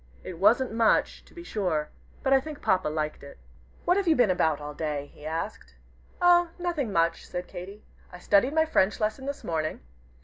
It wasn't much, to be sure, but I think Papa liked it. "What have you been about all day?" he asked. "Oh, nothing, much," said Katy. "I studied my French lesson this morning.